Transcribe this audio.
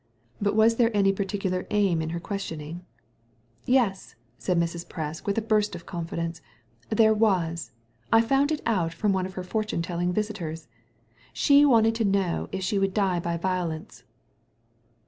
But w^^therg%any particular aim in herquestionujgifc';*' '^^ "Yes I " saici Mrs. Presk, with a burst of confidence, "there was. I found it out from one of her fortune telling visitors. She wanted to know if she would die by violence."